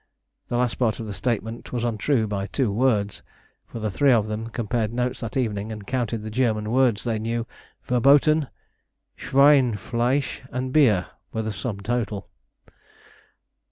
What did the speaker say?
The last part of the statement was untrue by two words, for the three of them compared notes that evening and counted the German words they knew "Verboten, Schweinfleisch, and Bier" were the sum total.